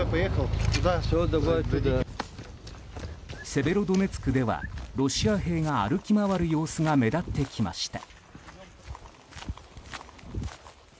セベロドネツクではロシア兵が歩き回る様子が目立ってきました。